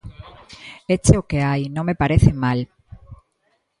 Éche o que hai. Non me parece mal.